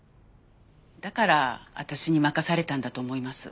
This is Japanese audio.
だから私に任されたんだと思います。